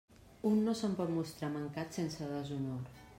Un no se'n pot mostrar mancat sense deshonor.